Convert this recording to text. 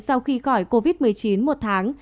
sau khi khỏi covid một mươi chín một tháng